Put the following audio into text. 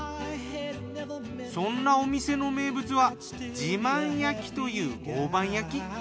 そんなお店の名物はじまん焼きという大判焼き。